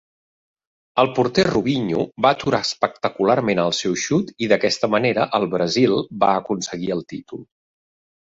El porter Rubinho va aturar espectacularment el seu xut i, d'aquesta manera, el Brasil va aconseguir el títol.